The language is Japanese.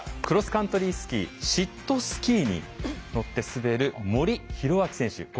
クロスカントリースキーシットスキーに乗って滑る森宏明選手。